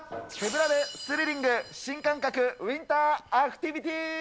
手ぶらでスリリング、新感覚ウインターアクティビティー。